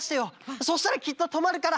そしたらきっととまるから。